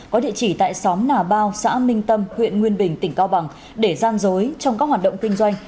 có địa chỉ tại xóm nà bao xã minh tâm huyện nguyên bình tỉnh cao bằng để gian dối trong các hoạt động kinh doanh